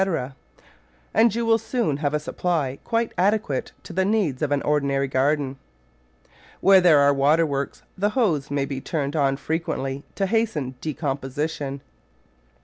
and you will soon have a supply quite adequate to the needs of an ordinary garden. Where there are water works the hose may be turned on frequently to hasten decomposition.